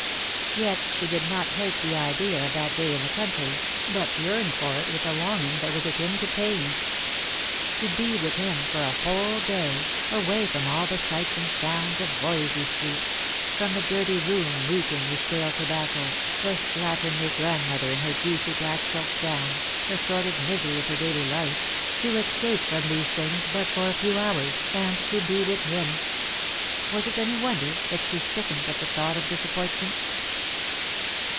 Yet she did not hate the idea of that day in the country, but yearned for it with a longing that was akin to pain. To be with him for a whole day, away from all the sights and sounds of Voysey street — from the dirty room reeking with stale tobacco, 98 Juest jor Jbove. the slatternly grandmother in her greasy black silk gown, the sordid misery of her daily life ; to escape from these things hut for a few hours, and to be with him ! Was it any wonder that she sickened at the thought of disappointment